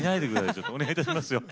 ちょっとお願いいたしますよ。